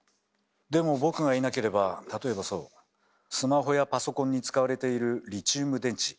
でも僕がいなければ例えばそうスマホやパソコンに使われているリチウム電池。